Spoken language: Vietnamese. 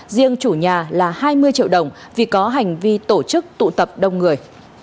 riêng chủ nhà là hai mươi triệu đồng vì có hành vi tổ chức tụ tập đông người